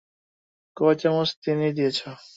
কয় চামচ চিনি দিয়েছো?